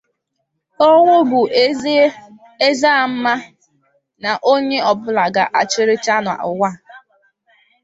Ọnwụ bụ eézè a ma na onye ọbụla ga-echirịrị n'ụwa